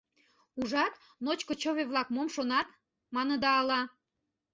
«Ужат, ночко чыве-влак, мом шонат!» — маныда ала?